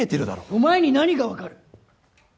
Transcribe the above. お前に何が分かる。